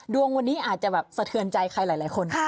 ดวงวันนี้อาจจะแบบสะเทือนใจใครหลายคน